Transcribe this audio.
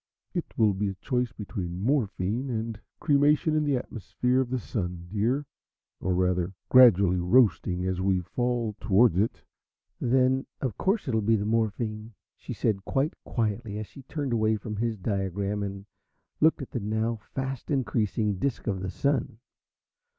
"It will be a choice between morphine and cremation in the atmosphere of the Sun, dear, or rather gradually roasting as we fall towards it." "Then, of course, it will be morphine," she said quite quietly, as she turned away from his diagram and looked at the now fast increasing disc of the Sun.